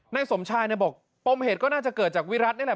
นายสมชายบอกปมเหตุก็น่าจะเกิดจากวิรัตินี่แหละ